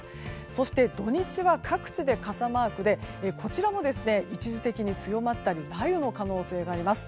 そして土日は各地で傘マークでこちらも一時的に強まったり雷雨の可能性があります。